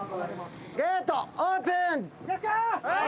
ゲートオープン！